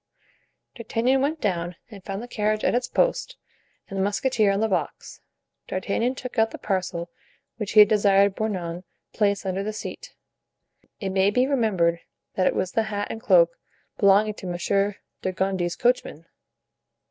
D'Artagnan went down and found the carriage at its post and the musketeer on the box. D'Artagnan took out the parcel which he had desired Bernouin to place under the seat. It may be remembered that it was the hat and cloak belonging to Monsieur de Gondy's coachman.